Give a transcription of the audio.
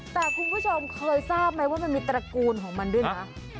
แต่คุณผู้ชมเคยทราบไหมว่ามันมีตระกูลของมันด้วยนะ